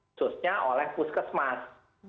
khususnya oleh puskesmas